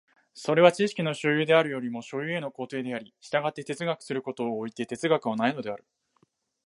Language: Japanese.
それは知識の所有であるよりも所有への行程であり、従って哲学することを措いて哲学はないのである。